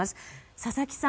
佐々木さん